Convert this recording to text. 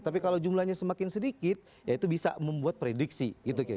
tapi kalau jumlahnya semakin sedikit ya itu bisa membuat prediksi